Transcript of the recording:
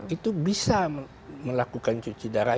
itu bisa melakukan cuci darah